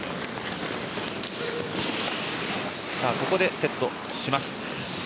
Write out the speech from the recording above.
ここでセットします。